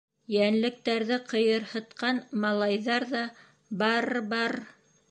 Йәнлектәрҙе ҡыйырһытҡан малайҙар ҙа барр, барр!